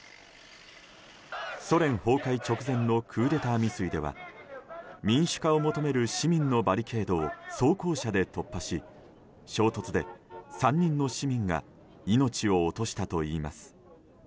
ソ連崩壊直前のクーデター未遂では民主化を求める市民のバリケードを装甲車で突破し衝突で３人の市民が命を落としたといいます。